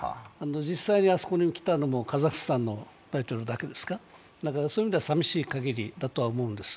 実際にあそこに来たのもカザフスタンの大統領だけですかそういう意味では寂しい限りだとは思うんです。